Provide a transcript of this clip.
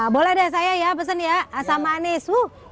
boleh deh saya ya pesen ya asam manis